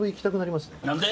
何で？